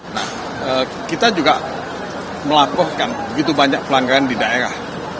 nah kita juga melaporkan begitu banyak pelanggaran di daerah